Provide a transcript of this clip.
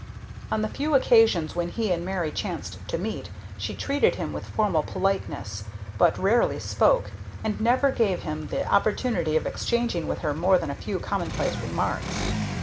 On the few occasions when he and Mary chanced to meet she treated him with formal politeness, but rarely spoke, and never gave him the opportunity of exchanging with her more than a few commonplace remarks.